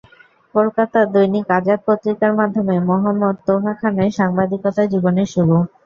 কলকাতার দৈনিক আজাদ পত্রিকার মাধ্যমে মোহাম্মদ তোহা খানের সাংবাদিকতা জীবনের শুরু।